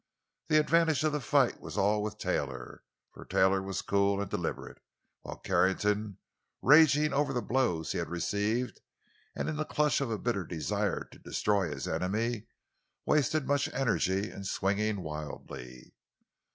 The advantage of the fight was all with Taylor. For Taylor was cool and deliberate, while Carrington, raging over the blows he had received, and in the clutch of a bitter desire to destroy his enemy, wasted much energy in swinging wildly.